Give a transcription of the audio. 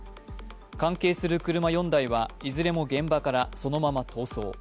関係する車４台はいずれも現場からそのまま逃走。